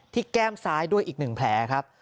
แก้มซ้ายด้วยอีก๑แผลครับ